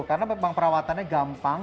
karena memang perawatannya gampang